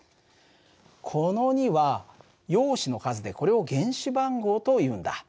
この２は陽子の数でこれを原子番号というんだ。